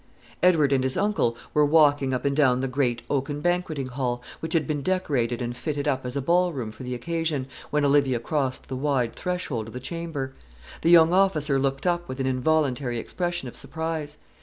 Edward and his uncle were walking up and down the great oaken banqueting hall, which had been decorated and fitted up as a ballroom for the occasion, when Olivia crossed the wide threshold of the chamber. The young officer looked up with an involuntary expression of surprise.